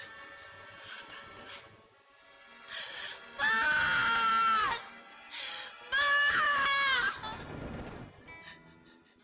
umi aku mau ke rumah